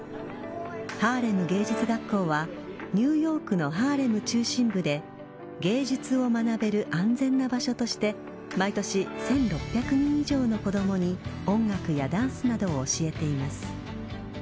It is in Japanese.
ハーレム芸術学校はニューヨークのハーレム中心部で芸術を学べる安全な場所として毎年１６００人以上の子どもに音楽やダンスなどを教えています。